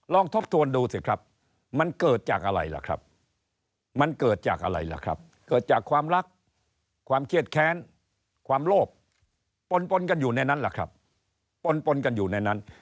ทบทวนดูสิครับมันเกิดจากอะไรล่ะครับมันเกิดจากอะไรล่ะครับเกิดจากความรักความเครียดแค้นความโลภปนปนกันอยู่ในนั้นล่ะครับปนปนกันอยู่ในนั้น